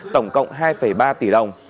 tổng cộng hai ba tỷ đồng